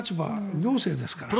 行政ですから。